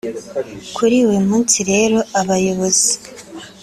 Kuri uyu munsi rero abayobozi